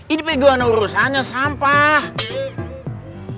ini pegawain urusannya sampah